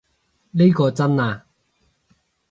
呢個真啊